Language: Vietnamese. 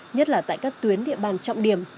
nhất là tại các tuyến địa bàn trọng điểm